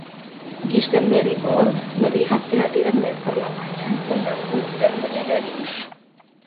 Gish dan Barrymore melihat kehadiran mentor lamanya mengganggu dan menyadarinya.